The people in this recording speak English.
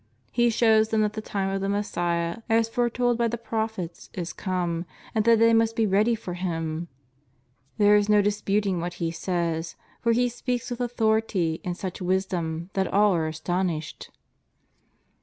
He shows them that the time of the Messiah as foretold by the prophets is come and that they must be ready for Him. There is no disputing what He says, for He speaks with authority and such wisdom that all are astonished.